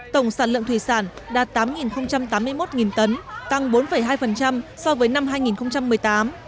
tổng sản lượng thủy sản đạt tám tám mươi một tấn tăng bốn hai so với năm hai nghìn một mươi tám